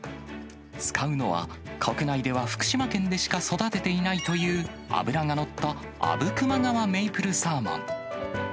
使うのは、国内では福島県でしか育てていないという、脂が乗った阿武隈川メイプルサーモン。